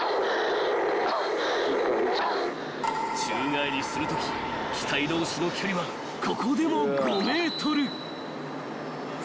［宙返りするとき機体同士の距離はここでも５ｍ］